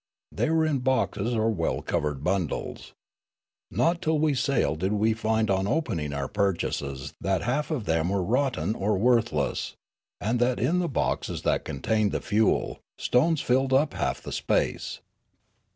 They were in boxes or well covered bundles. Not till we had sailed did we find on opening our purchases that half of them were rotten or worthless, and that in the boxes that contained the fuel, stones filled half the space.